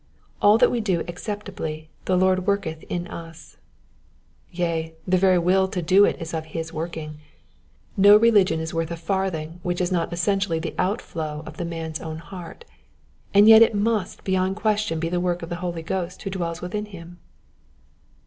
All that we do acceptably the Lord work eth in us ; yea, the very will to do it is of his working. No religion is worth a farthing which is not essen tially the outflow of the man's own heart ; and yet it must beyond question be the work of the Holy Ghost who dwells within him.